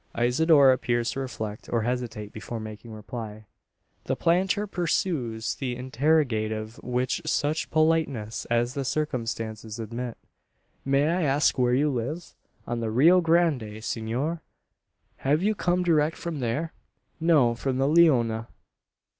Isidora appears to reflect, or hesitate, before making reply. The planter pursues the interrogative, with such politeness as the circumstances admit. "May I ask where you live?" "On the Rio Grande, senor?" "Have you come direct from there?" "No; from the Leona."